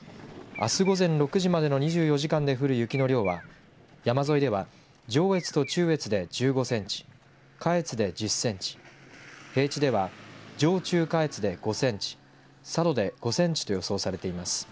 あす午前６時までの２４時間で降る雪の量は山沿いでは上越と中越で１５センチ下越で１０センチ平地では上中下越で５センチ佐渡で５センチと予想されています。